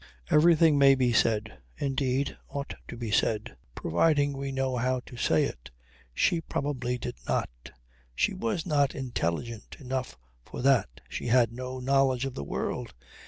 Everything may be said indeed ought to be said providing we know how to say it. She probably did not. She was not intelligent enough for that. She had no knowledge of the world.